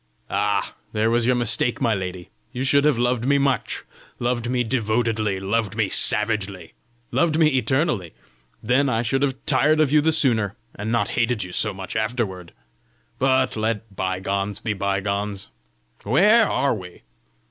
"Ah, there was your mistake, my lady! You should have loved me much, loved me devotedly, loved me savagely loved me eternally! Then I should have tired of you the sooner, and not hated you so much afterward! But let bygones be bygones! WHERE are we?